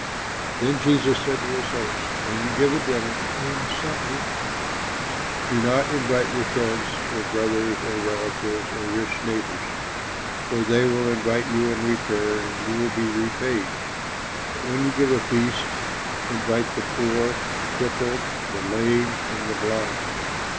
Then Jesus said to his host, "When you give a dinner or a supper, do not invite your friends or brothers or relatives or rich neighbors, for they will invite you in return and you be repaid. But when you give a feast, invite the poor, the crippled, the lame and the blind.